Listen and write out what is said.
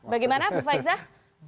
bagaimana mbak faizah